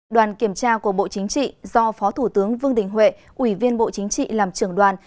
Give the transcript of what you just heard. đoàn kiểm tra của bộ chính trị do phó thủ tướng vương đình huệ ủy viên bộ chính trị làm trưởng đoàn